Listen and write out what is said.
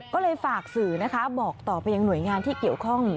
ก็เลยฝากสื่อนะคะบอกต่อไปยังหน่วยงานที่เกี่ยวข้อง